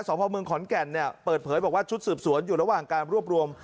พ่อเมืองขอนแก่นเนี่ยเปิดเผยบอกว่าชุดสืบสวนอยู่ระหว่างการรวบรวม